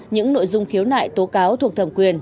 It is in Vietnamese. những nội dung khiếu nại tố cáo thuộc thẩm quyền